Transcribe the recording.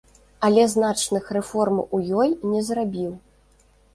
Але значных рэформ у ёй не зрабіў.